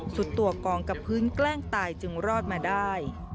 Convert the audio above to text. สุดตัวกองกับพื้นแกล้งตายจึงรอดมาได้